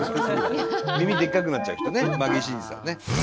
耳でっかくなっちゃう人ねマギー審司さんね。